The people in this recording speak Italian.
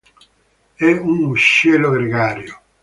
È un uccello gregario.